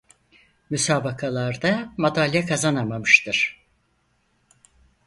Müsabakalarda madalya kazanamamıştır.